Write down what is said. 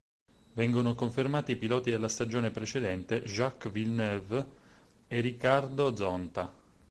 Vengono confermati i piloti della stagione precedente, Jacques Villeneuve e Ricardo Zonta.